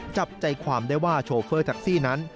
จับใจความได้ว่าโชเฟอร์แท็กซี่นั้น